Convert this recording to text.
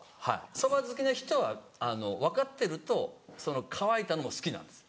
そば好きな人は分かってるとその乾いたのも好きなんです。